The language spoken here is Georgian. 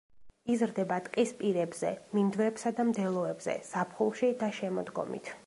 იზრდება ტყის პირებზე, მინდვრებსა და მდელოებზე ზაფხულში და შემოდგომით.